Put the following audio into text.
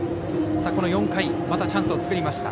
４回、またチャンスを作りました。